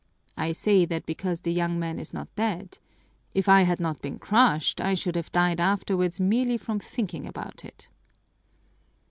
"I say that because the young man is not dead. If I had not been crushed, I should have died afterwards merely from thinking about it."